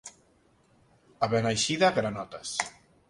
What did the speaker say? A Beneixida, granotes.